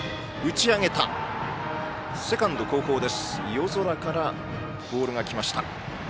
夜空からボールが来ました。